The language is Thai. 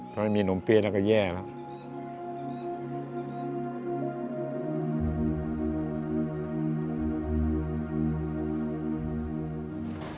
ถ้าไม่มีนมเปี้ยแล้วก็แย่แล้ว